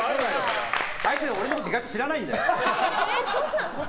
相手は俺のこと意外と知らないんだよ！